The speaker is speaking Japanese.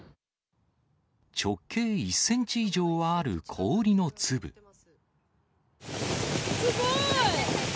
直径１センチ以上はある氷のすごい！